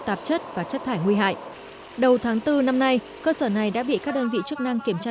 tạp chất và chất thải nguy hại đầu tháng bốn năm nay cơ sở này đã bị các đơn vị chức năng kiểm